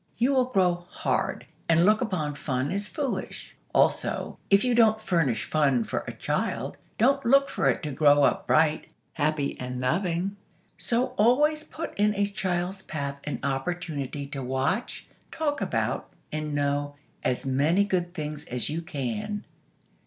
You will grow 'hard,' and look upon fun as foolish. Also, if you don't furnish fun for a child, don't look for it to grow up bright, happy and loving. So, always put in a child's path an opportunity to watch, talk about, and know, as many good things as you can."